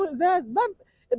pintu pintu tersebut dihilang